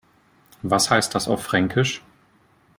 Was heißt das auf Fränkisch?